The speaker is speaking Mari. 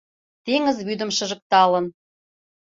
Теҥыз вӱдым шыжыкталын